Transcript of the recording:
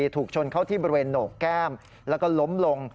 ถูกชนเข้าที่บริเวณโหนกแก้มแล้วก็ล้มลง